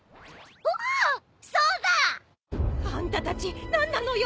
おーそうだ！あんたたち何なのよ！